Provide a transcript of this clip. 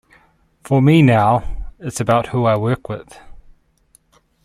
For me now, it's about who I work with.